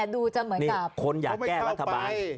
ดูจะเหมือนมีคนอยากแก้รัฐบาล